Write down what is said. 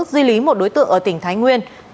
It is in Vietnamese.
dư lý một đối tượng ở tỉnh thái nguyên